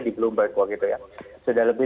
di bloomberg gitu ya sudah lebih